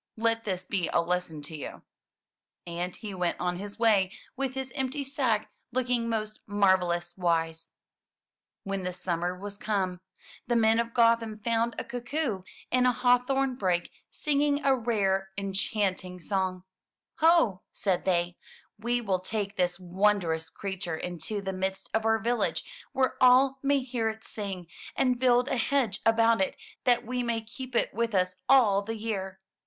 Let this be a lesson to you!" And he went on his way with his empty sack, looking most marvelous wise. 84 THROUGH FAIRY HALLS When the summer was come, the men of Gotham found a cuckoo in a hawthorn brake, singing a rare enchanting song. *'Ho," said they, *Ve will take this wondrous creature into the midst of our village where all may hear it sing, and build a hedge about it, that we may keep it with us all the year."